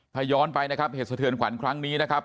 ถ้าย้อนไปนะครับเหตุสะเทือนขวัญครั้งนี้นะครับ